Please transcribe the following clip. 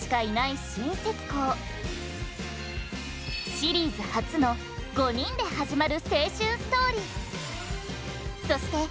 シリーズ初の５人で始まる青春ストーリー。